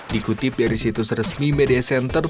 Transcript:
dikutip dari situs resmi media center